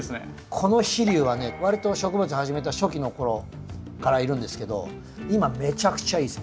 この飛竜はねわりと植物始めた初期の頃からいるんですけど今めちゃくちゃいいです。